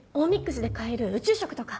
Ｍｉｘで買える宇宙食とか。